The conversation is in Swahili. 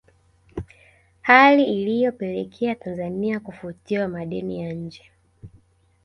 Hali iliyopelekea Tanzania kufutiwa madeni ya nje